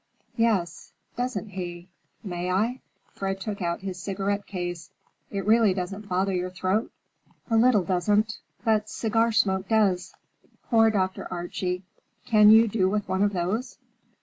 "Yes, doesn't he? May I?" Fred took out his cigarette case. "It really doesn't bother your throat?" "A little doesn't. But cigar smoke does. Poor Dr. Archie! Can you do with one of those?"